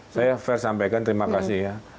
saya fair sampaikan terima kasih ya